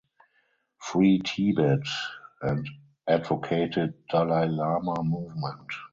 Free Tibet and advocated Dalai Lama movement.